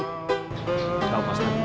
tidak pak ustadz